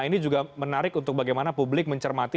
ini juga menarik untuk bagaimana publik mencermati